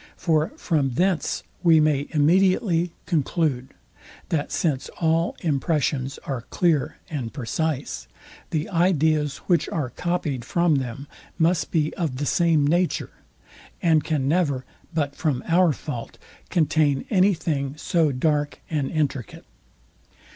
For from thence we may immediately conclude, that since all impressions are clear and precise, the ideas, which are copyed from them, must be of the same nature, and can never, but from our fault, contain any thing so dark and intricate.